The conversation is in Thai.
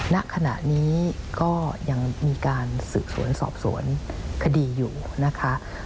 ณขณะนี้ก็ยังมีการสืบสวนสอบสวนคดีอยู่นะคะ